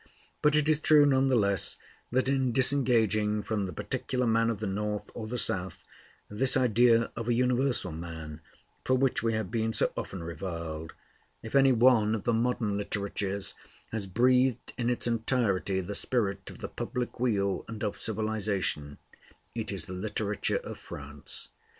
But it is true none the less that in disengaging from the particular man of the North or the South this idea of a universal man, for which we have been so often reviled, if any one of the modern literatures has breathed in its entirety the spirit of the public weal and of civilization, it is the literature of France.